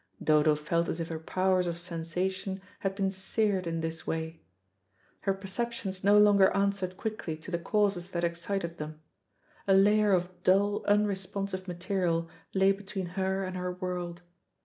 Dodo felt as if her powers of sensation had been seared in this way. Her perceptions no longer answered quickly to the causes that excited them; a layer of dull, unresponsive material lay between her and her world.